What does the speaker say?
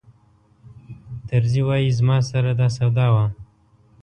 طرزي وایي زما سره دا سودا وه.